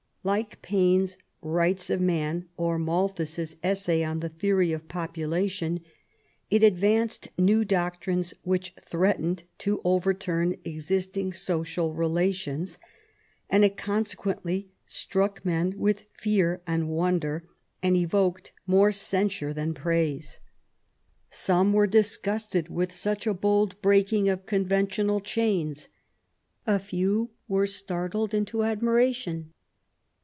Like Paine's Rights of Man, or Malthas^ Essay on the Theory of Population, it advanced new doctrines which threatened to overturn existing social relations, and it consequently struck men with fear and wonder, and evoked more censure than praise. Some were disgusted with such a bold breaking of conventional chains ; a few were startled into admiration.